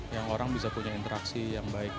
yang orang bisa punya interaksi yang baik